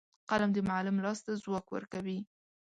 قلم د معلم لاس ته ځواک ورکوي